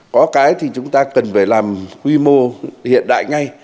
có cái thì chúng ta cần phải làm quy mô hiện đại ngay